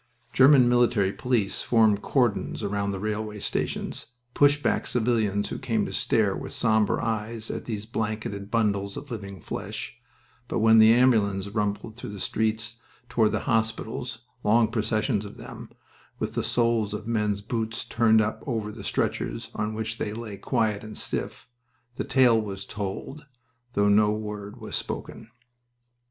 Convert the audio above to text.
German military policemen formed cordons round the railway stations, pushed back civilians who came to stare with somber eyes at these blanketed bundles of living flesh, but when the ambulances rumbled through the streets toward the hospitals long processions of them, with the soles of men's boots turned up over the stretchers on which they lay quiet and stiff the tale was told, though no word was spoken.